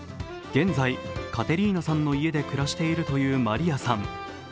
現在、カテリーナさんの家で暮らしているというマリヤさん。